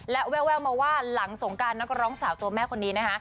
และแววมาว่าหลังสงการนักร้องสาวตัวแม่คนนี้นะคะ